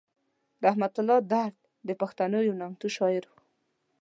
رحمت الله درد د پښتنو یو نامتو شاعر و.